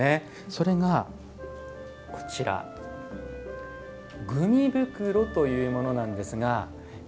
それが茱萸袋というものなんですが。